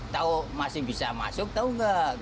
tau masih bisa masuk tau nggak